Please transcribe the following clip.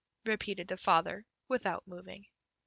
repeated the father without moving.